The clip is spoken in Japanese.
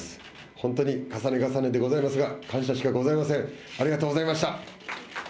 本当に重ね重ねではございますが、感謝しかございません。